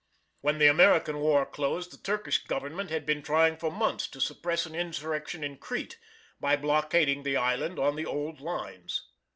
When the American war closed, the Turkish Government had been trying for months to suppress an insurrection in Crete by blockading the island on the old lines.